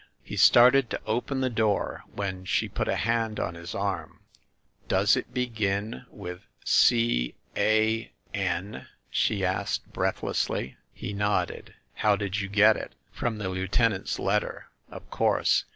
He started to open the door when she put a hand on his arm. "Does it begin with 'C a n'?" she asked breathlessly. He nodded. "How did you get it?" "From the lieutenant's letter." "Of course.